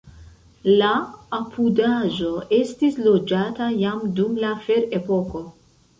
La apudaĵo estis loĝata jam dum la ferepoko.